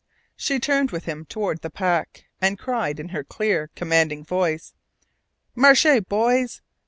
She turned with him toward the pack, and cried in her clear, commanding voice: "Marche, boys!